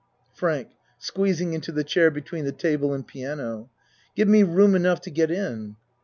FRANK (Squeezing into the chair between the table and piano.) Give me room enough to get in.